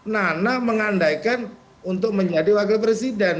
nana mengandaikan untuk menjadi wakil presiden